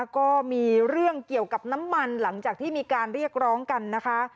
ก็มีเรื่องเกี่ยวกับน้ำมันหลังจากที่มีการเรียกร้องกันนะคะ